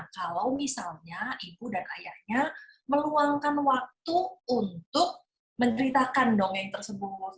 kalau misalnya ibu dan ayahnya meluangkan waktu untuk menceritakan dongeng tersebut